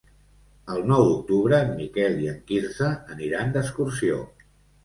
El nou d'octubre en Miquel i en Quirze aniran d'excursió.